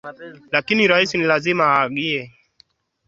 lakini rais ni lazima aangalie mtoto tanzania